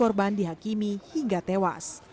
korban dihakimi hingga tewas